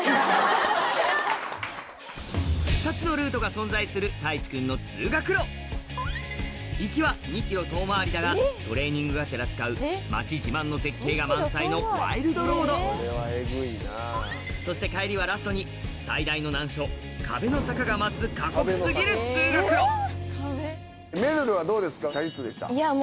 存在する太一君の通学路行きは２ｋｍ遠回りだがトレーニングがてら使う街自慢の絶景が満載のワイルドロードそして帰りはラストに最大の難所壁の坂が待つ過酷過ぎる通学路あっそう。